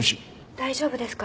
大丈夫ですか？